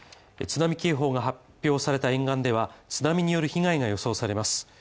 津波警報が発表された沿岸では、津波による被害が予想されます